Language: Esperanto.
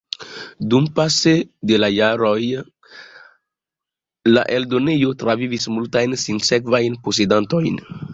Dumpase de la jaroj la eldonejo travivis multajn sinsekvajn posedantojn.